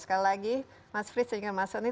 sekali lagi mas frits dan mas soni